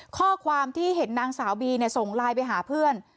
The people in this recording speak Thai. ข้อความที่เห็นนางสาวบีส่งไลน์ไปหาเพื่อน